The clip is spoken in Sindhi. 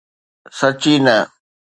سچي نه